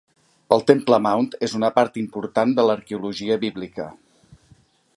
El Temple Mount és una part important de l'arqueologia bíblica.